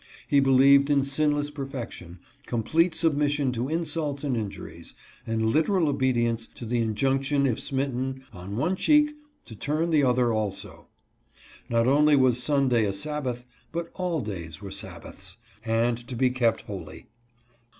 He believed in sinless perfection, complete sub mission to insults and injuries, and literal obedience to the injunction if smitten " on one cheek to turn the other also." Not only was Sunday a Sabbath, but all days were Sabbaths, and to be kept holy.